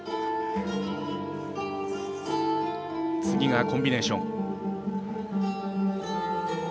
次がコンビネーション。